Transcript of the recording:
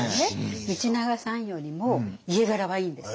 道長さんよりも家柄はいいんですよ。